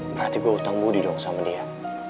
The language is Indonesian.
berarti gue utang mudi dong sama dia